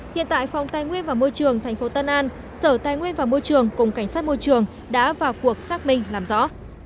hiện tại phòng tài nguyên và môi trường tp tân an sở tài nguyên và môi trường cùng cảnh sát môi trường đã vào cuộc xác minh làm rõ